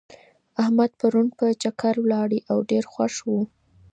احمد پرون په چکر ولاړی او ډېر خوښ و.